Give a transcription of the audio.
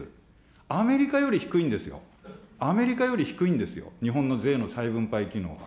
アメリカより低いんですよ、アメリカより低いんですよ、日本の税の再分配機能は。